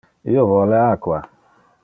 Io vole aqua.